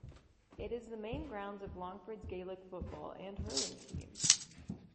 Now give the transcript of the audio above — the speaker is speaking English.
It is the main grounds of Longford's Gaelic football and hurling teams.